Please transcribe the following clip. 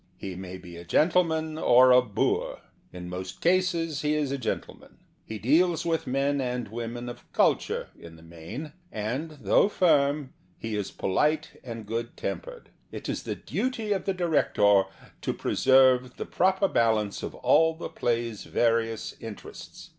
He may be a gentleman or a boor. In most cases he is a gentle man. He deals with men and women of culture, in the main; and, though firm, he is polite and good tempered. It is the duty of the director to preserve the proper balance of all the play's various interests.